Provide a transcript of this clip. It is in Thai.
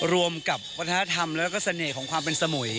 รวมกับวัฒนธรรมแล้วก็เสน่ห์ของความเป็นสมุย